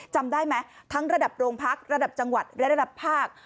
จำได้ไหมทั้งระดับโรงพักระดับจังหวัดและระดับภาค